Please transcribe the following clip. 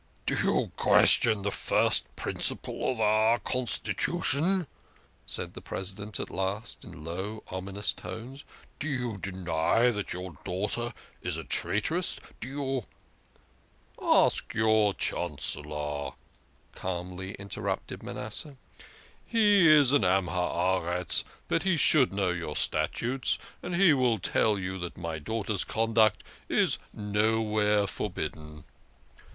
" Do you question the first principle of our constitution?" said the President at last, in low, ominous tones. " Do you deny that your daughter is a traitress? Do you ?" "Ask your Chancellor," calmly interrupted Manasseh. "He is a Man of the Earth, but he should know your 118 THE KING OF SCHNORRERS. statutes, and he will tell you that my daughter's conduct is nowhere forbidden."